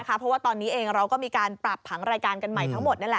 เพราะว่าตอนนี้เองเราก็มีการปรับผังรายการกันใหม่ทั้งหมดนั่นแหละ